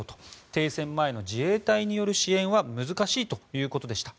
停戦前の自衛隊による支援は難しいということでした。